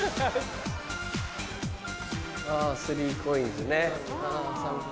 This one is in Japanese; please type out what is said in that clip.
３ＣＯＩＮＳね。